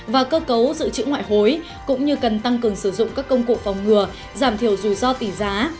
và cơ cấu dự trữ ngoại hối cũng như cần tăng cường sử dụng các công cụ phòng ngừa giảm thiểu rủi ro tỷ giá